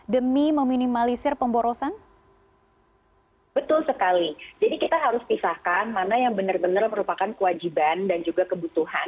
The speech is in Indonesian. demi meminimalisirkan uang thr bisa disesuaikan dengan budget